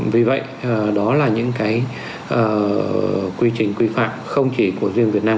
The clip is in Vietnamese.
vì vậy đó là những quy trình quy phạm không chỉ của riêng việt nam